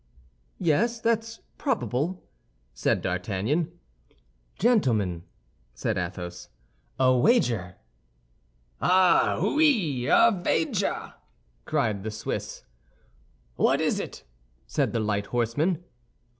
"Yes, that's probable," said D'Artagnan. "Gentlemen," said Athos, "a wager!" "Ah, wooi, a vager!" cried the Swiss. "What is it?" said the light horseman.